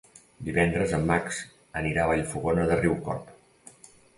Divendres en Max anirà a Vallfogona de Riucorb.